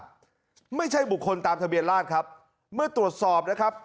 ไม่ใช่บุคคลตามทะเบียนราชครับเมื่อตรวจสอบนะครับ